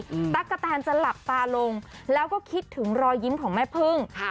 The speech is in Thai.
ตั๊กกะแตนจะหลับตาลงแล้วก็คิดถึงรอยยิ้มของแม่พึ่งค่ะ